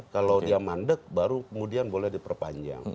kalau dia mandek baru kemudian boleh diperpanjang